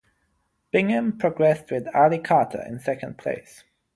Bingham progressed with Ali Carter in second place.